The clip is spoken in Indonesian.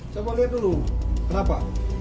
coba lihat dulu kenapa